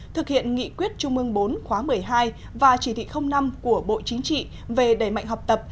thực hiện nghị quyết trung ương bốn khóa một mươi hai và chỉ thị năm của bộ chính trị về đẩy mạnh học tập